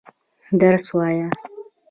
درس وايه.